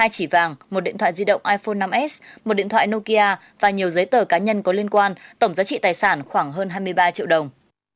hai chỉ vàng một điện thoại di động iphone năm s một điện thoại nokia và nhiều giấy tờ cá nhân có liên quan tổng giá trị tài sản khoảng hơn hai mươi ba triệu đồng